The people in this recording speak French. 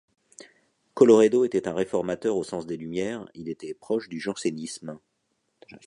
Colloredo était un réformateur au sens des Lumières, il était proche du jansénisme.